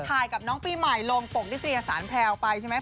ภายกับน้องปีใหม่ลงตรงที่ศรียสารแพลวไปใช่ไหม